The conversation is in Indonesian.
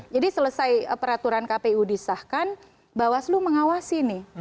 jadi selesai peraturan kpu disahkan bawaslu mengawasi nih